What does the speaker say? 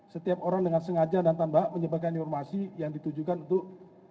setiap orang dengan sengaja dan tanpa menyebarkan informasi yang ditujukan untuk